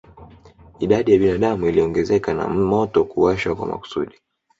Idadi ya binadamu iliongezeka na moto kuwashwa kwa makusudi